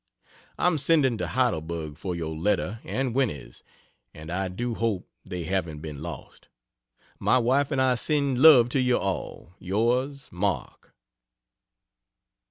I'm sending to Heidelberg for your letter and Winnie's, and I do hope they haven't been lost. My wife and I send love to you all. Yrs ever, MARK.